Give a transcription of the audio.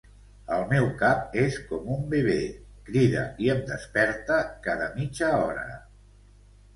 El meu cap és com un bebé, crida i em desperta cada mitja hora.